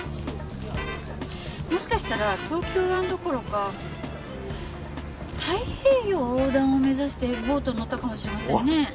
もしかしたら東京湾どころか太平洋横断を目指してボートに乗ったかもしれませんね。